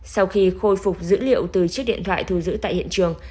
sau khi khôi phục dữ liệu từ chiếc điện thoại thu giữ tại hiện trường